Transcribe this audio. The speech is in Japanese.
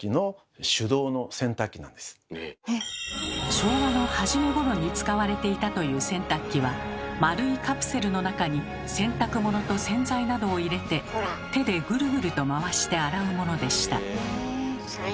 昭和の初めごろに使われていたという洗濯機は丸いカプセルの中に洗濯物と洗剤などを入れて手でグルグルと回して洗うものでした。